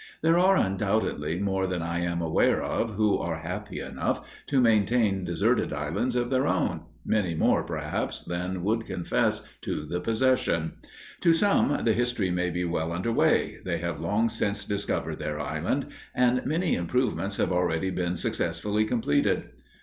There are undoubtedly more than I am aware of who are happy enough to maintain deserted islands of their own many more, perhaps, than would confess to the possession. To some the history may be well under way; they have long since discovered their island, and many improvements have already been successfully completed.